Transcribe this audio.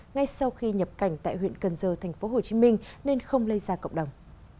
ngay sau khi nhập cảnh tại huyện cần giờ tp hcm nên không lây ra cộng đồng